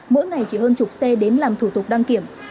mỗi ngày chỉ hơn chục xe đến làm thủ tục đăng kiểm